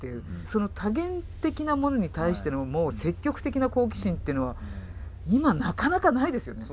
その多元的なものに対してのもう積極的な好奇心ってのは今なかなかないですよね。